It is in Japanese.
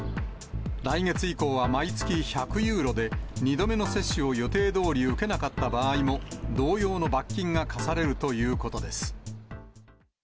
来月以降は毎月１００ユーロで、２度目の接種を予定どおり受けなかった場合も、同様の罰金が科されるということです。